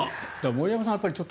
森山さん